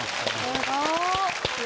すごい。